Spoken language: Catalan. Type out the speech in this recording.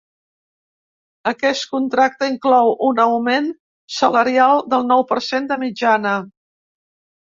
Aquest contracte inclou un augment salarial del nou per cent de mitjana.